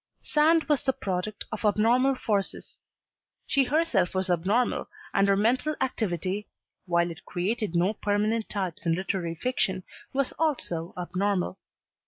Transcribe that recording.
Sand was the product of abnormal forces, she herself was abnormal, and her mental activity, while it created no permanent types in literary fiction, was also abnormal.